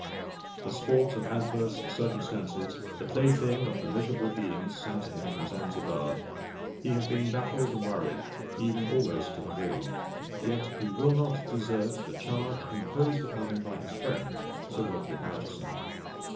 The sport of adverse circumstances, the plaything of the miserable beings sent to him from Zanzibar he has been baffled and worried, even almost to the grave, yet he will not desert the charge imposed upon him by his friend, Sir Roderick Murchison.